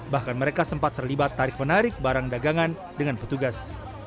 bahkan mereka sempat terlibat tarik menarik barang dagangan dengan petugas